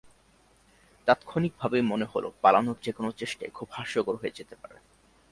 তাত্ক্ষণিকভাবেই মনে হলো পালানোর যেকোনো চেষ্টাই খুব হাস্যকর হয়ে যেতে পারে।